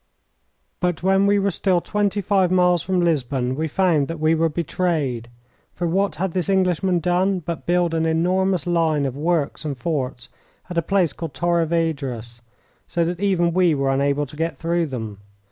But when we were still twenty five miles from Lisbon we found that we were betrayed, for what had this Englishman done but build an enormous line of works and forts at a place called Torres Vedras, so that even we were unable to get through them!